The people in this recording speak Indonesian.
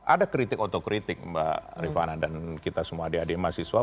ada kritik otokritik mbak rifana dan kita semua adik adik mahasiswa